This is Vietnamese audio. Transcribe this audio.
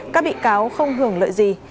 các bị cáo không hưởng lợi gì